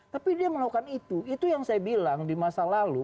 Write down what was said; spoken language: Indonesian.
tapi dia melakukan itu itu yang saya bilang di masa lalu